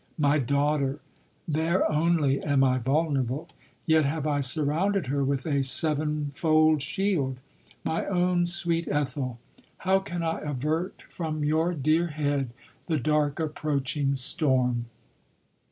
My daughter ! there only am I vulnerable; yet have I surrounded her with a sevenfold shield. Mv own sweet 48 LODORE. Ethel ! how can I avert from your dear head the dark approaching storm